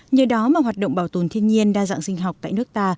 nhờ đó mà hoạt động bảo tồn thiên nhiên đa dạng sinh học tại nước ta